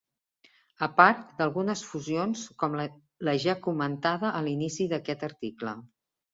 A part d'altres fusions com la ja comentada a l'inici d'aquest article.